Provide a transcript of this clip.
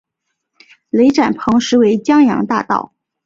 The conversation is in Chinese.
雷展鹏实为汪洋大盗。